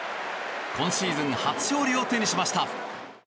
今シーズン初勝利を手にしました。